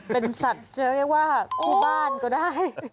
เป็นสัตว์เจอแน็กว่าครูบ้านก็ได้